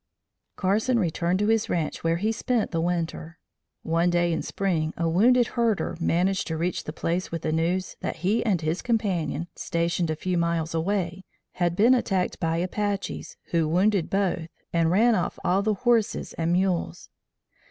Carson returned to his ranche where he spent the winter. One day in spring a wounded herder managed to reach the place with the news that he and his companion, stationed a few miles away, had been attacked by Apaches, who wounded both, and ran off all the horses and mules.